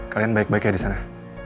kalian baik baik ya di sana